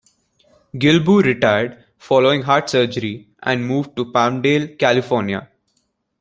Guilbeau retired following heart surgery and moved to Palmdale, California.